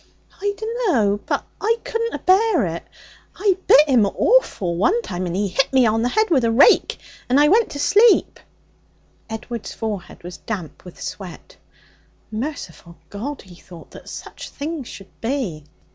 'I dunno. But I couldn't abear it. I bit him awful one time, and he hit me on the head with a rake, and I went to sleep.' Edward's forehead was damp with sweat. 'Merciful God!' he thought, 'that such things should be!'